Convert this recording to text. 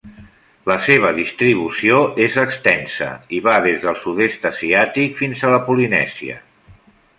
La seva distribució és extensa i va des del sud-est asiàtic fins a la Polinèsia.